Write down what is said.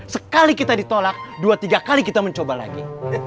sekali kita ditolak dua tiga kali kita mencoba lagi